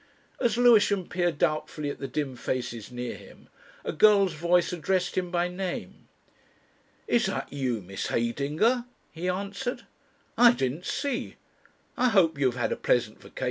As Lewisham peered doubtfully at the dim faces near him, a girl's voice addressed him by name. "Is that you, Miss Heydinger?" he answered. "I didn't see, I hope you have had a pleasant vacation."